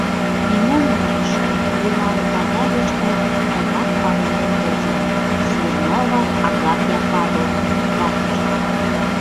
Нимом от ыште, лӱман кагазыштак тыгак палемден возымо: «Смирнова Агафья Павловна — ватыже».